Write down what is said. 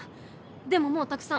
でももうたくさん。